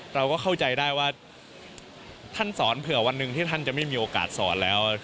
เราก็เข้าใจได้ว่าท่านสอนเผื่อวันหนึ่งที่ท่านจะไม่มีโอกาสสอนแล้ว